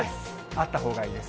あったほうがいいです。